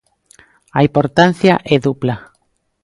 A importancia é dupla.